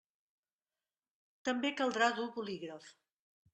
També caldrà dur bolígraf.